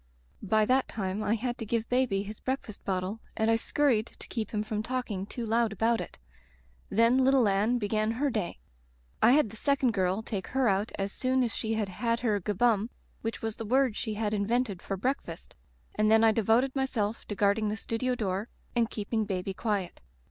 "By that time I had to give baby his breakfast bottle and I scurried to keep him from talking too loud about it. Then little Anne began her day. I had the second girl Digitized by LjOOQ IC /\ The Rubber Stamp take her out as soon as she had had her 'gubbum/ which was the word she had in vented for breakfast, and then I devoted myself to guarding the studio door and keep ing baby quiet.